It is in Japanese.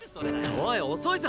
おい遅いぞ！